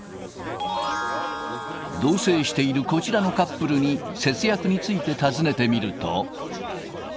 同せいしているこちらのカップルに、節約について尋ねてみると。